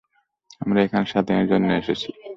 আমরা এখানে সাত দিনের জন্য এসেছি।